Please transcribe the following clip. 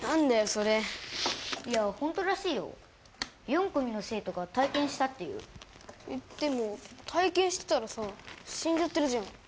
それいやホントらしいよ４組の生徒が体験したっていうえっでも体験してたらさ死んじゃってるじゃん